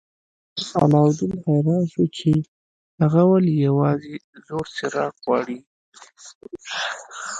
علاوالدین حیران شو چې هغه ولې یوازې زوړ څراغ غواړي.